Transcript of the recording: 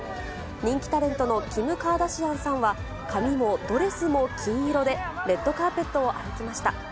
人気タレントのキム・カーダシアンさんは、髪もドレスも金色で、レッドカーペットを歩きました。